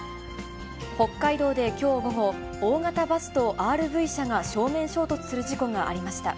北海道できょう午後、大型バスとＲＶ車が正面衝突する事故がありました。